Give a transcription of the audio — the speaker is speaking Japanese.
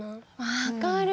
分かる。